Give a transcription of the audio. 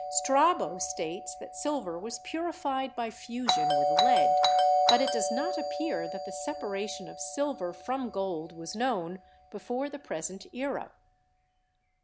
Strabo states that silver was purified by fusion with lead, but it does not appear that the separation of silver from gold was known before the present era.